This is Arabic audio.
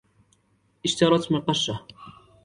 اشترت مقشة.